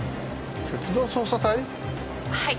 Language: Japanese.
はい。